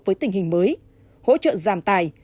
với tình hình mới hỗ trợ giảm tài